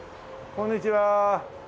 こんにちは。